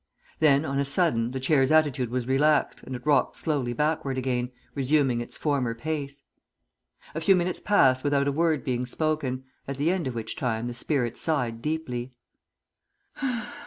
Then on a sudden the chair's attitude was relaxed and it rocked slowly backward again, resuming its former pace. A few minutes passed without a word being spoken, at the end of which time the spirit sighed deeply.